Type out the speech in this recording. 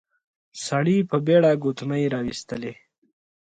سړی په بېړه ګوتمی راويستلې.